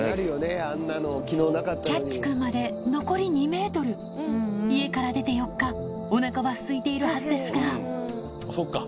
キャッチくんまで残り２ｍ家から出て４日おなかはすいているはずですがそっか。